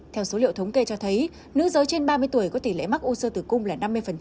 theo số liệu thống kê cho thấy nữ giới trên ba mươi tuổi có tỷ lệ mắc o tử cung là năm mươi